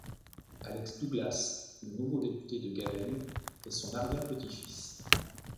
Alex Douglas, le nouveau député de Gaven est son arrière-petit-fils.